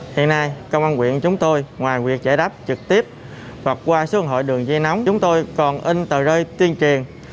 hiện nay công an quyện chúng tôi ngoài việc giải đáp trực tiếp hoặc qua số hội đường dây nóng chúng tôi còn in tờ rơi tuyên truyền